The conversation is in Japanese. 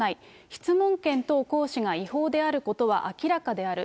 質問権等行使が違法であることは明らかである。